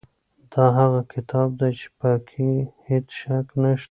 دا هغه کتاب دی چې په کې هیڅ شک نشته.